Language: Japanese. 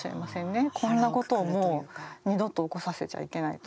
こんなことをもう二度と起こさせちゃいけないと。